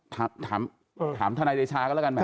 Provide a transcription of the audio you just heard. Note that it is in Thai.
ถามธัณฑ์ใดชากันแล้วกัน